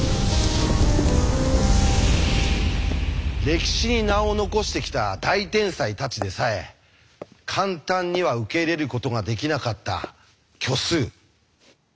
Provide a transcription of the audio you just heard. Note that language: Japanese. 歴史に名を残してきた大天才たちでさえ簡単には受け入れることができなかった虚数。